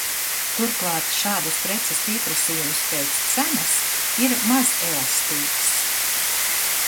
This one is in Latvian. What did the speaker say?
Turklāt šādas preces pieprasījums pēc cenas ir mazelastīgs.